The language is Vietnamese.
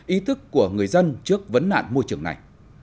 ý thức của người dân trước vấn nạn môi trường này